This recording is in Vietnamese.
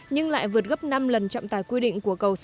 nhưng lại vượt gấp năm lần trọng tải quy định